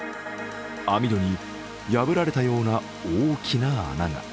網戸に破られたような大きな穴が。